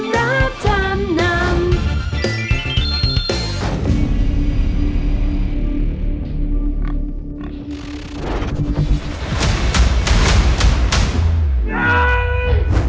เพลงรับทางนั้น